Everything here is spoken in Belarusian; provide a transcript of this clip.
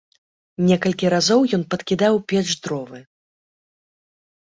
Некалькі разоў ён падкідаў у печ дровы.